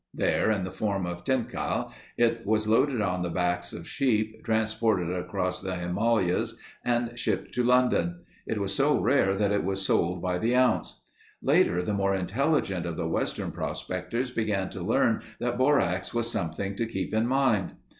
There in the form of tincal it was loaded on the backs of sheep, transported across the Himalayas and shipped to London. It was so rare that it was sold by the ounce. Later the more intelligent of the western prospectors began to learn that borax was something to keep in mind.